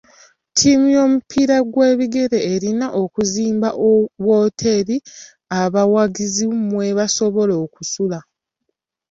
Ttiimu y'omupiira gw'ebigere erina okuzimba wooteeri abawagizi mwe basobola okusula.